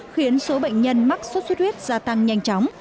khiến số bệnh nhân mắc sốt xuất huyết gia tăng nhanh chóng